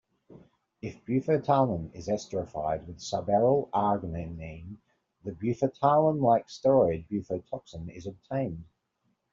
If bufotalin is esterified with suberyl arginine, the bufotalin-like steroid bufotoxin is obtained.